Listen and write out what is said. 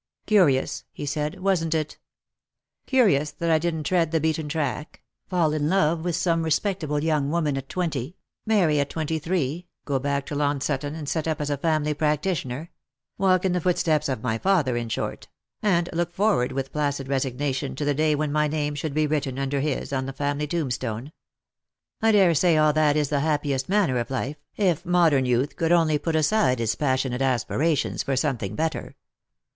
" Curious," he said, " wasn't it? Curious that I didn't tread the beaten track : fall in love with some respectable young woman at twenty ; marry at twenty three ; go back to Long Sutton, and set up as a family practitioner ; walk in the foot 122 Lost for Love. steps of my father, in short ; and look forward with placid resignation to the day when my name should be written under his on the family tombstone. I daresay after all that is the happiest manner of life, if modern youth could only put aside its passionate aspirations for something better.